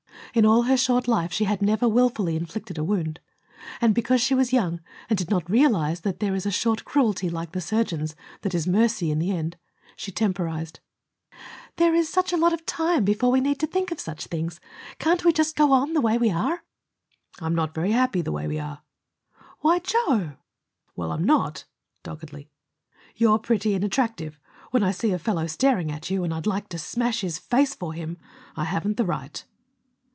In all her short life she had never willfully inflicted a wound. And because she was young, and did not realize that there is a short cruelty, like the surgeon's, that is mercy in the end, she temporized. "There is such a lot of time before we need think of such things! Can't we just go on the way we are?" "I'm not very happy the way we are." "Why, Joe!" "Well, I'm not" doggedly. "You're pretty and attractive. When I see a fellow staring at you, and I'd like to smash his face for him, I haven't the right."